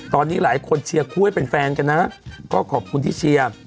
ตอนนี้หลายคนเชียร์คู่ให้เป็นแฟนกันนะก็ขอบคุณที่เชียร์